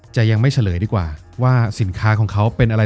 จะยังไม่เฉลยดีกว่าว่าสินค้าของเขาเป็นอะไร